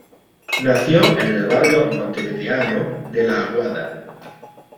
Nació en el barrio montevideano de la Aguada.